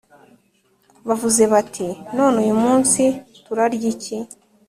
bavuze bati None uyu munsi turarya iki